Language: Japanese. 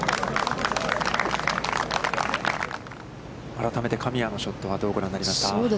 改めて神谷のショットは、どうご覧になりましたか。